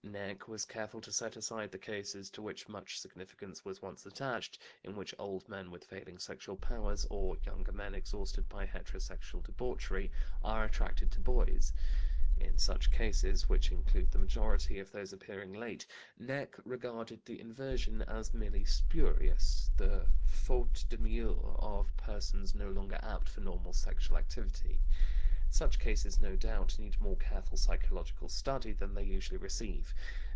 Näcke was careful to set aside the cases, to which much significance was once attached, in which old men with failing sexual powers, or younger men exhausted by heterosexual debauchery, are attracted to boys. In such cases, which include the majority of those appearing late, Näcke regarded the inversion as merely spurious, the faute de mieux of persons no longer apt for normal sexual activity. Such cases no doubt need more careful psychological study than they usually receive.